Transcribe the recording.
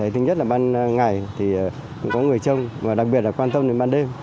thứ nhất là ban ngày cũng có người trông đặc biệt là quan tâm đến ban đêm